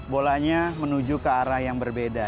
bolanya menuju ke arah yang berbeda